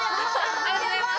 ありがとうございます。